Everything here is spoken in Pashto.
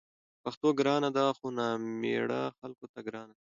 پښتو ګرانه ده؛ خو نامېړه خلکو ته ګرانه ده